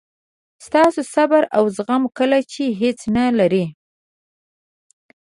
ستاسو صبر او زغم کله چې هیڅ نه لرئ.